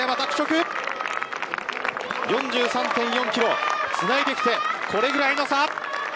４３．４キロつないできてこれぐらいの差。